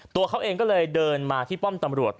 ตัวเขาเองก็เลยเดินมาที่ป้อมตำรวจ